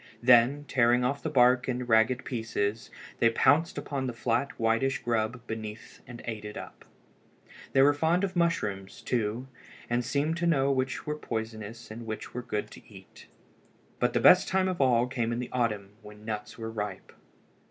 Then, tearing off the bark in ragged pieces, they pounced upon the flat whitish grub beneath and ate it up. They were fond of mushrooms, too, and seemed to know which were poisonous and which were good to eat. But the best time of all came in the autumn when nuts were ripe.